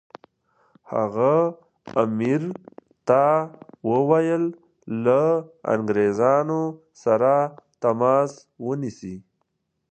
هغه امیر ته وویل له انګریزانو سره تماس ونیسي.